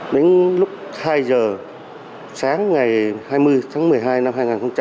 đến lúc hai giờ sáng ngày hai mươi tháng một mươi hai năm hai nghìn hai mươi